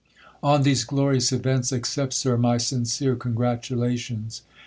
On these glorious events, accept. Sir, my sincere congratulations.